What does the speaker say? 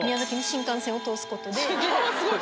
すごい。